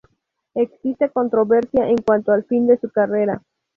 Existe controversia en cuanto al fin de su carrera.